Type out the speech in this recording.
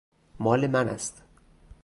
مال من است.